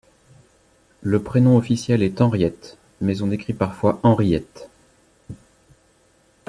Le prénom officiel est Henriette, mais on écrit parfois Henriëtte.